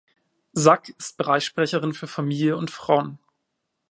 Sack ist Bereichssprecherin für Familie und Frauen.